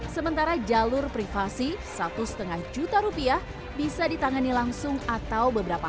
sementara jalur privasi satu lima juta rupiah bisa ditangani langsung atau beberapa